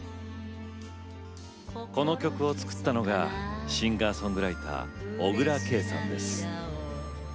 この曲を作ったのがシンガーソングライター小椋佳さんです。